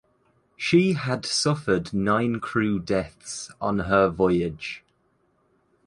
She had suffered nine crew deaths on her voyage.